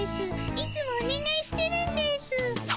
いつもお願いしてるんです。